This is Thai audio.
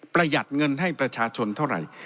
ประหยัดเงินให้ประชาชนเท่าไหร่